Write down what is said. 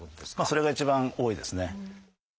それが一番多いですね。